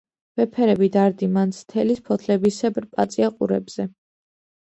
ვეფერები დარდიმანდს თელის ფოთლებისებრ პაწია ყურებზე.